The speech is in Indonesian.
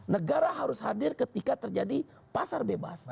negara harus hadir ketika terjadi pasar bebas